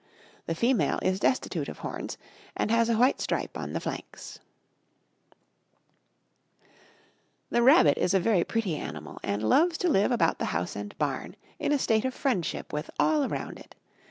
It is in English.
The female is destitute of horns, and has a white stripe on the flanks. [Illustration: Hare.] THE RABBIT. The Rabbit is a very pretty animal, and loves to live about the house and barn, in a state of friendship with all around it.